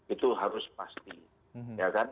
itu harus pasti dengan cara apa